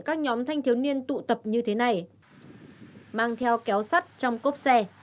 các nhóm thanh thiếu niên tụ tập như thế này mang theo kéo sắt trong cốp xe